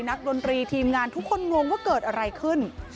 ดนตรีทีมงานทุกคนงงว่าเกิดอะไรขึ้น